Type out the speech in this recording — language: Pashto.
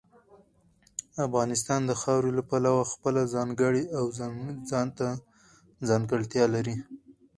افغانستان د خاورې له پلوه خپله ځانګړې او ځانته ځانګړتیا لري.